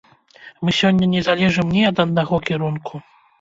Мы сёння не залежым ні ад аднаго кірунку.